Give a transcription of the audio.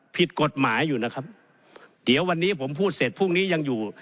ผิดกฎหมายอยู่นะครับเดี๋ยววันนี้ผมพูดเสร็จพรุ่งนี้ยังอยู่